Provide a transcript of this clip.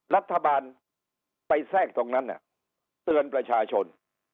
รัฐบาลไปแทรกตรงนั้นเตือนประชาชน